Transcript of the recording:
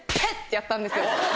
てやったんですよ。